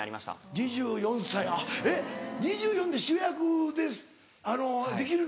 ２４歳えっ２４で主役できるの？